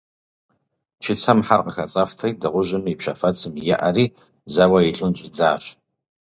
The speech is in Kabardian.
Чыцэм хьэр къыхэцӀэфтри, дыгъужьым и пщэфэцым еӀэри, зэуэ илӀын щӀидзащ.